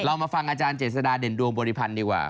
มาฟังอาจารย์เจษฎาเด่นดวงบริพันธ์ดีกว่า